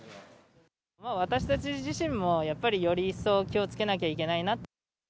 私たち自身も、やっぱりより一層気をつけなきゃいけないな。